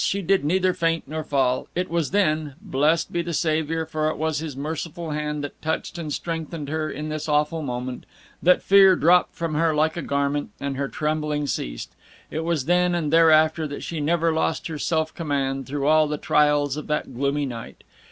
she did neither faint nor fall; it was then blessed be the Saviour, for it was his merciful hand that touched and strengthened her in this awful moment that fear dropped from her like a garment, and her trembling ceased. It was then and thereafter that she never lost her self command, through all the trials of that gloomy night.